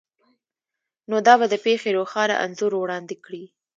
نو دا به د پیښې روښانه انځور وړاندې کړي